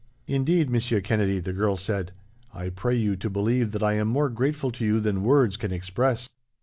"Indeed, Monsieur Kennedy," the girl said, "I pray you to believe that I am more grateful to you than words can express."